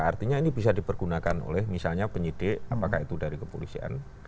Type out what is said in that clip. artinya ini bisa dipergunakan oleh misalnya penyidik apakah itu dari kepolisian